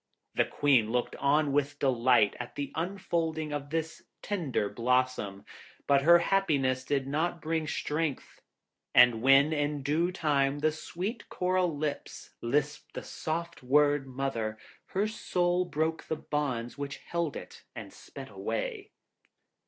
The Queen looked on with delight at the unfolding of this tender blossom, but her happiness did not bring strength, and when in due time the sweet coral lips lisped the soft word 'Mother,' her soul broke the bonds which held it, and sped away.